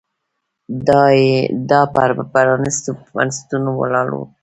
دا پر پرانېستو بنسټونو ولاړ و